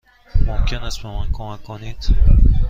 ممکن است به من کمک کنید؟